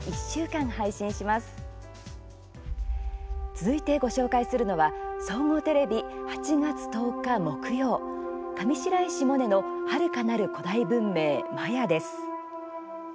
続いてご紹介するのは総合テレビ、８月１０日木曜「上白石萌音のはるかなる古代文明マヤ」です。